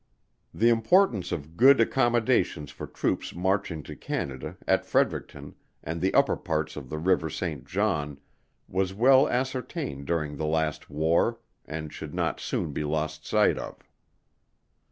The importance of good accommodations for troops marching to Canada, at Fredericton, and the upper parts of the river St. John, was well ascertained during the last war, and should not soon be lost sight of.